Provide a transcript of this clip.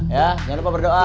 jangan lupa berdoa